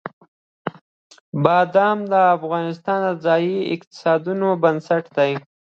بادام د افغانستان د ځایي اقتصادونو بنسټ دی.